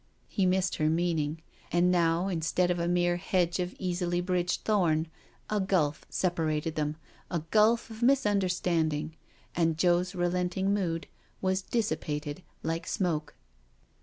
He missed her meaning. And now, instead of a mere hedge of easily bridged thorn, a gulf separated them a gulf of misunderstanding— and Joe's relenting mood was dissipated like smoke.